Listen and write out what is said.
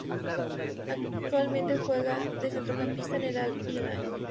Actualmente juega de centrocampista en el Al Hilal.